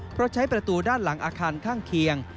เพราะใช้ประตูด้านหลังอาคารข้างเคียง